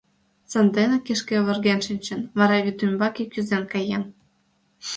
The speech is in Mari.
Санденак кишке оварген шинчын, вара вӱд ӱмбаке кӱзен каен.